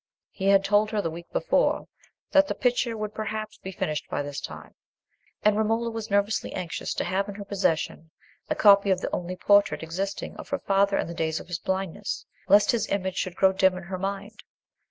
He had told her the week before that the picture would perhaps be finished by this time; and Romola was nervously anxious to have in her possession a copy of the only portrait existing of her father in the days of his blindness, lest his image should grow dim in her mind.